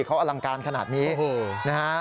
เขาอลังการขนาดนี้นะฮะ